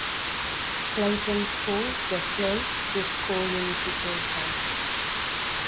Clayton schools were closed through school unification.